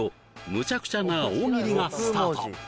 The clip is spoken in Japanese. むちゃくちゃな大喜利がスタート！